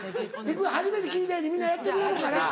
初めて聞いたように皆やってくれるから。